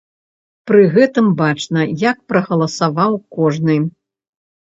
Пры гэтым бачна, як прагаласаваў кожны.